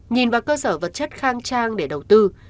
nhìn vào cơ sở vật chất khang trang để đầu tư